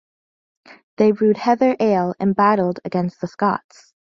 They brewed heather ale and battled against the Scots.